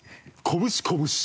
こぶしこぶし。